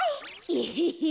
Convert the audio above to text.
エヘヘヘ。